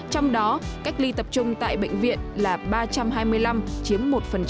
trong đó cách ly tập trung tại bệnh viện là ba trăm hai mươi năm chiếm một